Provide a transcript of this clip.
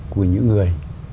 của những người